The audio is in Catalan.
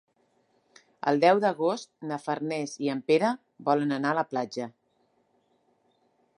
El deu d'agost na Farners i en Pere volen anar a la platja.